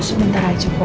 sebentar aja bu